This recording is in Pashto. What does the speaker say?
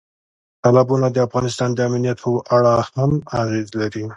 تالابونه د افغانستان د امنیت په اړه هم اغېز لري.